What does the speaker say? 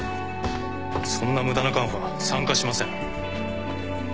そんな無駄なカンファ参加しません。